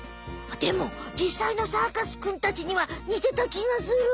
でもじっさいのサーカスくんたちにはにてたきがする。